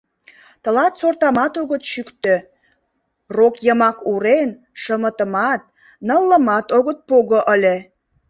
Тылат сортамат огыт чӱктӧ, рок йымак урен, шымытымат, ныллымат огыт пого ыле.